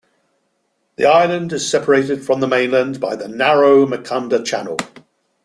The island is separated from the mainland by the narrow "Mkanda" channel.